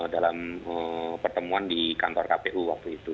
dalam pertemuan di kantor kpu waktu itu